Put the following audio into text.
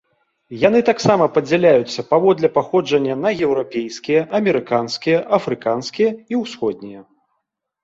Яны таксама падзяляюцца паводле паходжання на еўрапейскія, амерыканскія, афрыканскія і ўсходнія.